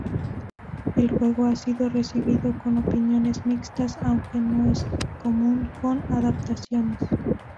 El juego ha sido recibido con opiniones mixtas aunque esto es común con adaptaciones.